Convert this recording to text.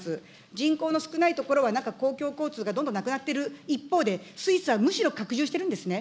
人口の少ない所はなんか公共交通が減少している、一方で、スイスはむしろ拡充しているんですね。